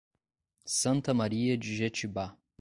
Santa Maria de Jetibá